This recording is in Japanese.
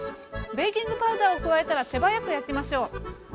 ベーキングパウダーを加えたら手早く焼きましょう。